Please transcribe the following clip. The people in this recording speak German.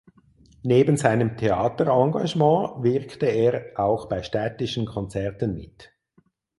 Neben seinem Theaterengagement wirkte er auch bei städtischen Konzerten mit.